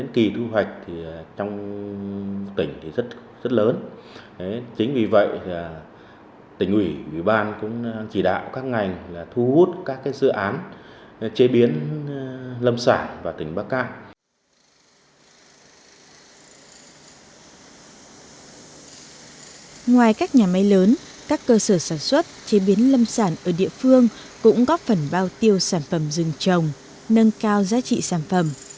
ngoài các nhà máy lớn các cơ sở sản xuất chế biến lâm sản ở địa phương cũng góp phần bao tiêu sản phẩm rừng trồng nâng cao giá trị sản phẩm